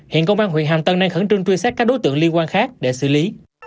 hiện công an huyện hàm tân đang khẩn trương truy xét các đối tượng liên quan khác để xử lý